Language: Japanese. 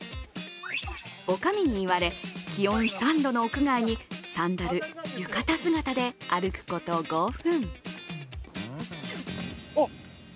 おかみにいわれ、気温３度の屋外にサンダル、浴衣姿で歩くこと５分。